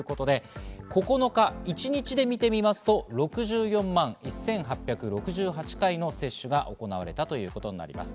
９日、一日で見てみますと、６４万１８６８回の接種が行われたということです。